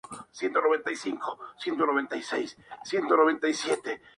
El conjunto de los fusilados permanece tan anónimo como sus verdugos.